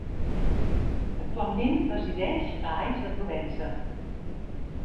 Actualment resideix a Ais de Provença.